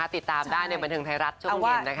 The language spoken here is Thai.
ติดตามได้ในบันเทิงไทยรัฐช่วงเย็น